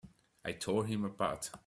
I tore him apart!